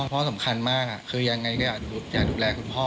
พ่อสำคัญมากคือยังไงก็อยากดูแลคุณพ่อ